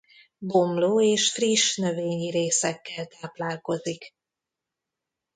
Bomló és friss növényi részekkel táplálkozik.